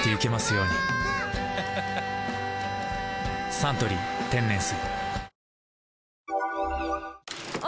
「サントリー天然水」